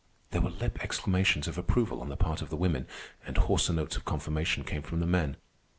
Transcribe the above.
There were lip exclamations of approval on the part of the women, and hoarser notes of confirmation came from the men.